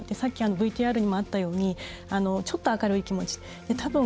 さっきＶＴＲにもあったようにちょっと明るい気持ち。